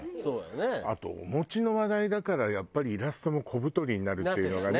あとお餅の話題だからやっぱりイラストも小太りになるっていうのがね。